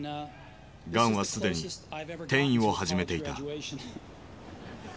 がんはすでに転移を始めていた。